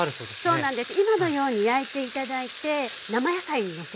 そうなんです。